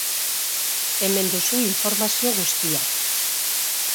Hemen duzu informazio guztia.